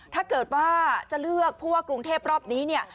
ถ้าเกิดว่าจะเลือกผู้ว่ากรุงเทพรอบนี้เนี่ย